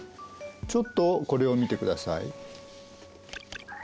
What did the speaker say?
ちょっとこれを見てください。